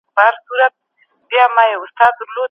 مایوسي ګناه ده.